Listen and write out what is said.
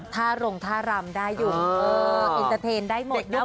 ท่ารงท่ารำได้อยู่อินเตอร์เทนได้หมดนะ